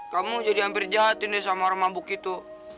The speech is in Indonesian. kamu jadi hampir jahatin deh sama orang mabuk itu